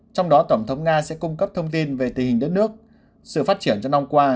trong đó tổng thống nga sẽ cung cấp thông tin về tình hình đất nước sự phát triển trong năm qua